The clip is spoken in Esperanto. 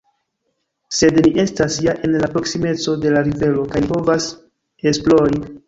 Sed ni estas ja en la proksimeco de la rivero kaj ni povas esplori.